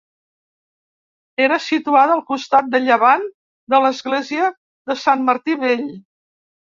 Era situada al costat de llevant de l'església de Sant Martí Vell.